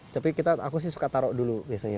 tapi aku sih suka taruh dulu biasanya